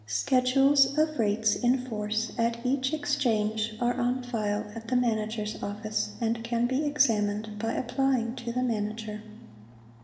Schedules of Rates in Force at each exchange are on file at the Manager's office and can be examined by applying to the Manager.